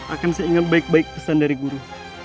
akan saya ingat baik baik pesan dari guru